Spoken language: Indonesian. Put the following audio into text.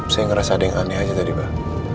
saya ngerasa ada yang aneh aja tadi pak